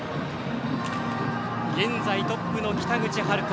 現在、トップの北口榛花。